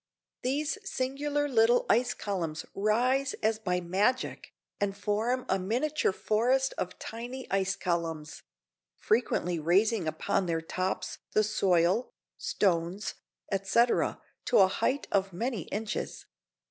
These singular little ice columns rise as by magic, and form a miniature forest of tiny ice columns; frequently raising upon their tops the soil, stones, etc., to a height of many inches.